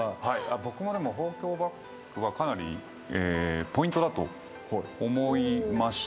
僕もでも豊胸バッグはかなりポイントだと思いました。